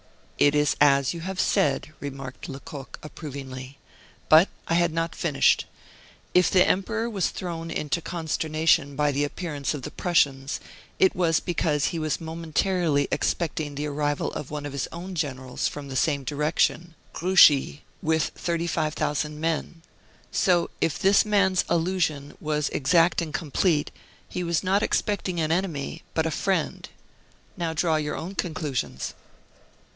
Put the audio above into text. "It is as you have said," remarked Lecoq, approvingly. "But I had not finished. If the emperor was thrown into consternation by the appearance of the Prussians, it was because he was momentarily expecting the arrival of one of his own generals from the same direction Grouchy with thirty five thousand men. So if this man's allusion was exact and complete, he was not expecting an enemy, but a friend. Now draw your own conclusions."